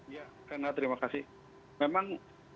ya renat terima kasih memang